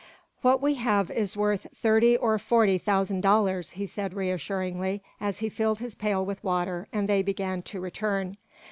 "What we have is worth thirty or forty thousand dollars," he said reassuringly, as he filled his pail with water and they began to return.